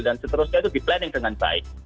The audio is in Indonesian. dan seterusnya itu di planning dengan baik